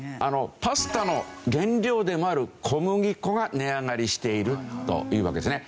パスタの原料でもある小麦粉が値上がりしているというわけですね。